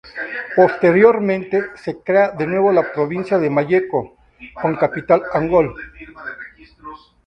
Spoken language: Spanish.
Posteriormente, se crea de nuevo la provincia de Malleco, con capital Angol.